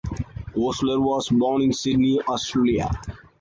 Oastler was born in Sydney, Australia.